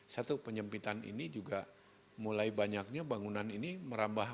satu penyempitan ini juga mulai banyaknya bangunan ini merambah